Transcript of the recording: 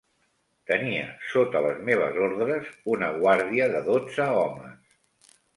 Tenia sota les meves ordres una guàrdia de dotze homes.